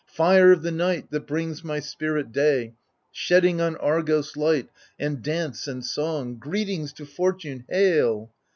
Fire of the night, that brings my spirit day. Shedding on Argos light, and dance, and song, Greetings to fortune, hail